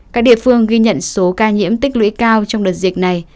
các địa phương ghi nhận số ca nhiễm tích lũy cao trong đợt dịch này